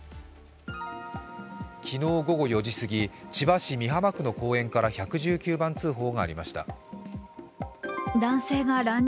昨日午後４時過ぎ、千葉市美浜区の公園から１１９番通報がありました。